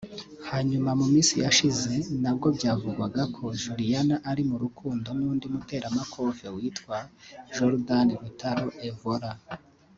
hanyuma mu minsi yashize nabwo byavugwaga ko Juliana ari mu rukundo n’undi muteramakofe witwa Jordan Lutalo Evora